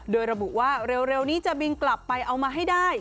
โดยระบุว่าเร็วนี้จะบินกลับไปเอามาให้ได้